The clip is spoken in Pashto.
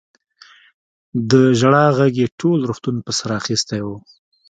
د ژړا غږ يې ټول روغتون په سر اخيستی و.